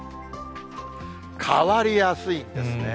変わりやすいんですね。